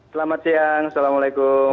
selamat siang assalamualaikum